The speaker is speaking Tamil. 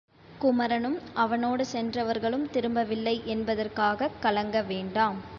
குமரனும் அவனோடு சென்றவர்களும் திரும்பவில்லை என்பதற்காகக் கலங்கவேண்டாம்.